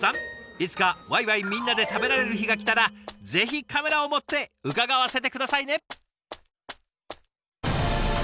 いつかワイワイみんなで食べられる日が来たらぜひカメラを持って伺わせて下さいね。